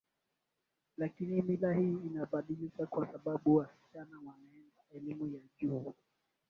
Lakini mila hii inabadilika kwa sababu wasichana wanaenda elimu ya juu